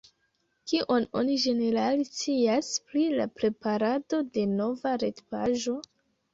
Kion oni ĝenerale scias pri la preparado de nova retpaĝo?